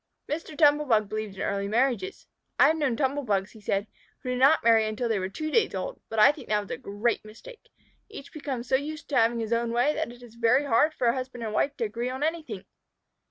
Mr. Tumble bug believed in early marriages. "I have known Tumble bugs," he said, "who did not marry until they were two days old, but I think that a great mistake. Each becomes so used to having his own way that it is very hard for husband and wife to agree on anything.